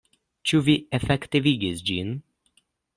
Ĉu vi efektivigis ĝin?